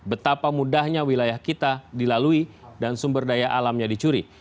betapa mudahnya wilayah kita dilalui dan sumber daya alamnya dicuri